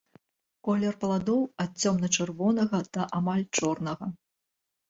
Колер пладоў ад цёмна-чырвонага да амаль чорнага.